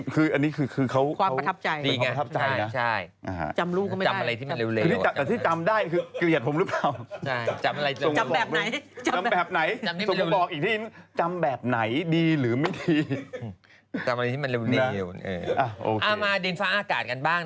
คืออันนี้คือเขา